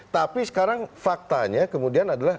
tapi sekarang faktanya kemudian adalah